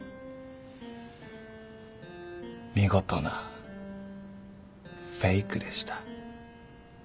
見事なフェイクでした。